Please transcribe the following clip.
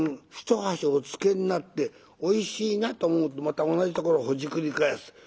一箸おつけになっておいしいなと思うとまた同じところをほじくり返す。